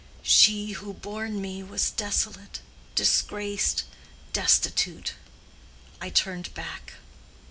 She who bore me was desolate, disgraced, destitute. I turned back.